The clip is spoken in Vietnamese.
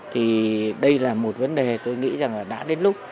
thì đây là một vấn đề tôi nghĩ rằng là đã đến lúc